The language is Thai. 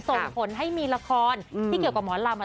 ส่งผลให้มีละครที่เกี่ยวกับหมอลำ